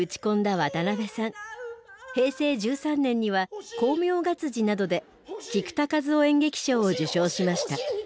平成１３年には「功名が」などで菊田一夫演劇賞を受賞しました。